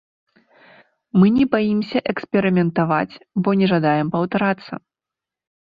Мы не баімся эксперыментаваць, бо не жадаем паўтарацца.